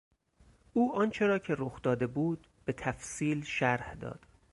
او آنچه را که رخ داده بود به تفصیل شرح داد.